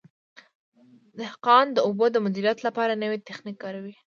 دهقان د اوبو د مدیریت لپاره نوی تخنیک کاروي.